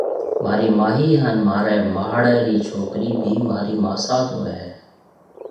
مهارِي ماهِي هانَ مهاريَ ماهڙيَ رِي ڇوڪرِي ڀِي مهارِي ماسات هوئيَ هيَ۔